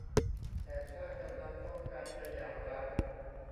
แต่ถ้ากำลังต้องการจะหย่าร้าง